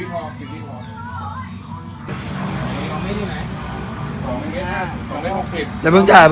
สักครู่นะครับสักครู่เดี๋ยวนะครับเดี๋ยวนะครับเดี๋ยวนะครับ